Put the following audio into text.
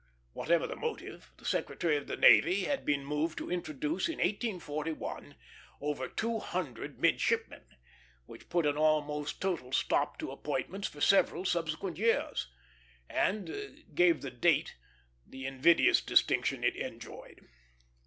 Whatever the motive, the Secretary of the Navy had been moved to introduce, in 1841, over two hundred midshipmen, which put an almost total stop to appointments for several subsequent years, and gave the "Date" the invidious distinction it enjoyed.